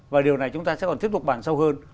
và điều này chúng ta sẽ còn tiếp tục bàn sâu hơn